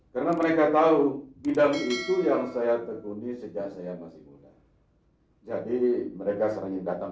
karena mereka tahu bidang itu yang saya petuni sejak saya masih muda jadi mereka sering datang